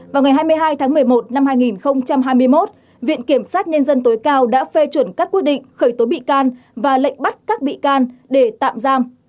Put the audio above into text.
vào ngày hai mươi hai tháng một mươi một năm hai nghìn hai mươi một viện kiểm sát nhân dân tối cao đã phê chuẩn các quyết định khởi tố bị can và lệnh bắt các bị can để tạm giam